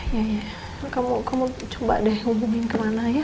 ya ya kamu coba deh hubungin kemana ya